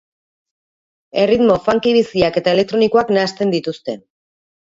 Erritmo funky biziak eta elektronikoak nahasten dituzte.